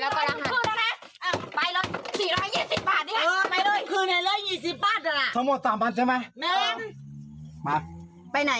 กูไม่มีใจ